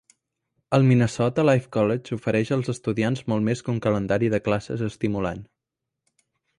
El Minnesota Life College ofereix als estudiants molt més que un calendari de classes estimulant.